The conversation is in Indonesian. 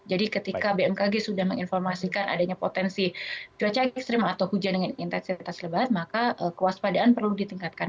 jadi ketika bmkg sudah menginformasikan adanya potensi cuaca ekstrim atau hujan dengan intensitas lebat maka kewaspadaan perlu ditingkatkan